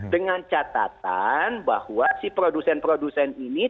dengan catatan bahwa si produsen produsen ini